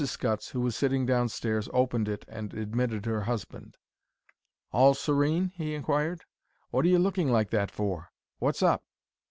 Scutts, who was sitting downstairs, opened it and admitted her husband. "All serene?" he inquired. "What are you looking like that for? What's up?"